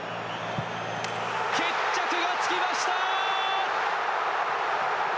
決着がつきました！